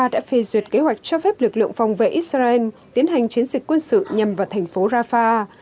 đã phê duyệt kế hoạch cho phép lực lượng phòng vệ israel tiến hành chiến dịch quân sự nhằm vào thành phố rafah